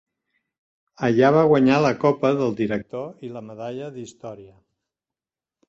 Allà va guanyar la Copa del Director i la medalla d'història.